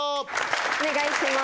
お願いします